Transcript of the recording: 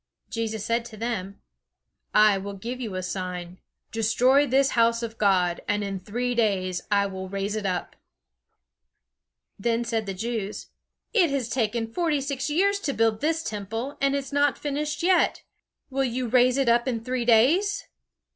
Jesus said to them: "I will give you a sign. Destroy this house of God, and in three days I will raise it up." Then said the Jews, "It has taken forty six years to build this Temple, and it is not finished yet. Will you raise it up in three days?"